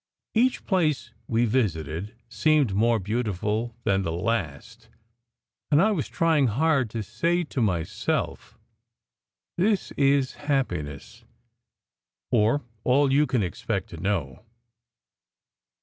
Each place we visited seemed more beautiful than the last, and I was trying hard to say to myself, "This is happiness, or all you can expect to know.